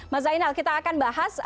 mas zainal kita akan bahas